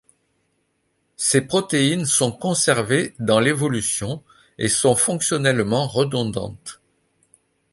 Ces protéines sont conservées dans l’évolution et sont fonctionnellement redondantes.